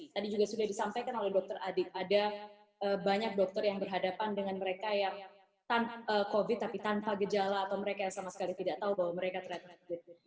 tadi juga sudah disampaikan oleh dokter adib ada banyak dokter yang berhadapan dengan mereka yang covid tapi tanpa gejala atau mereka yang sama sekali tidak tahu bahwa mereka terlihat